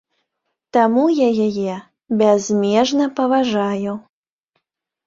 Таму я яе бязмежна паважаю.